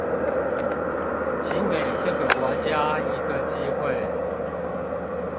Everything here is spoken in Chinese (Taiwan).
請給這個國家一個機會